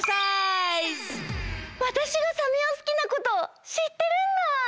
わたしがサメをすきなことしってるんだ！